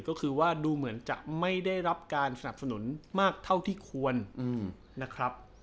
ก็คือว่าดูเหมือนจะไม่ได้รับการสนับสนุนมากเท่าที่ควรนะครับ